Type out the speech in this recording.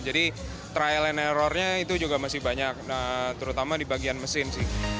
jadi trial and errornya itu juga masih banyak terutama di bagian mesin sih